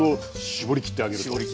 絞りきってあげる。